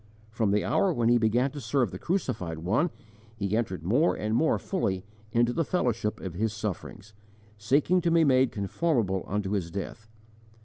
From the hour when he began to serve the Crucified One he entered more and more fully into the fellowship of His sufferings, seeking to be made conformable unto His death.